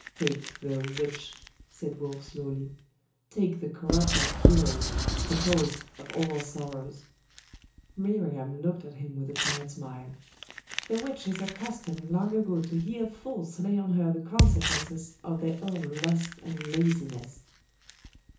'Take the witch!' said Wulf slowly 'Take the corrupter of heroes the cause of all our sorrows!' Miriam looked at him with a quiet smile. 'The witch is accustomed long ago to hear fools lay on her the consequences of their own lust and laziness.